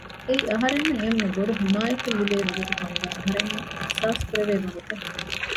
އެއީ އަހަރެންނަށް އެންމެ ބޮޑު ޙިމާޔަތް ލިބޭ ވަގުތު ކަމުގައި އަހަރެންނަށް އިޙްސާސް ކުރެވޭ ވަގުތެއް